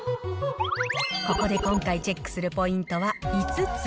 ここで今回チェックするポイントは５つ。